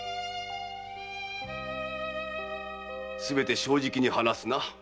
すべて正直に話すな？